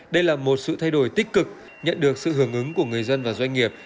đây là một sự thay đổi tích cực nhận được sự hưởng ứng của người dân và doanh nghiệp